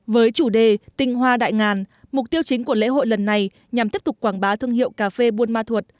với chủ đề tinh hoa đại ngàn mục tiêu chính của lễ hội lần này nhằm tiếp tục quảng bá thương hiệu cà phê buôn ma thuột